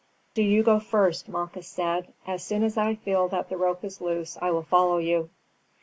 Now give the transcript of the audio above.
"Do you go first," Malchus said. "As soon as I feel that the rope is loose, I will follow you."